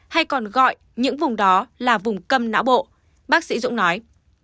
hay còn gọi những vùng đó là vùng cầm não bộ bác sĩ dũng nói